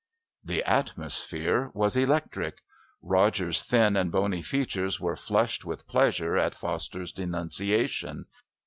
The atmosphere was electric. Rogers' thin and bony features were flushed with pleasure at Foster's denunciation.